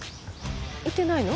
言ってないの？